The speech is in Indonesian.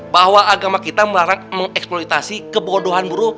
bahwa agama kita melarang mengeksploitasi kebodohan buruh